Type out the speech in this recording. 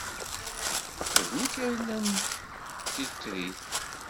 D nekk ay yellan d titrit.